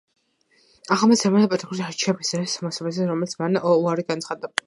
ახალმა სეიმმა პილსუდსკი აირჩია პრეზიდენტის პოსტზე, რომელზეც მან უარი განაცხადა.